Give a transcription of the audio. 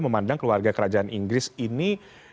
memandang keluarga kerajaan inggris ini